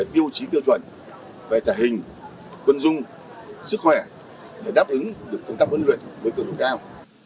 tiêu chí tiêu chuẩn về tài hình quân dung sức khỏe để đáp ứng được công tác huấn luyện với cường độ cao